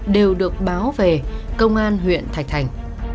đều được báo về công an huyện thạch thành